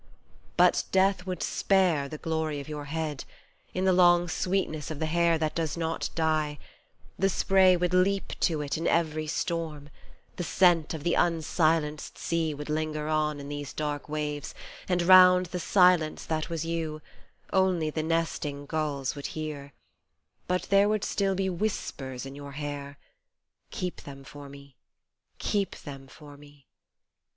But death would spare the glory of your head In the long sweetness of the hair that does not die : The spray would leap to it in every storm, The scent of the unsilenced sea would linger on In these dark waves, and round the silence that was you Only the nesting gulls would hear but there would still be whispers in your hair ; Keep them for me ; keep them for me.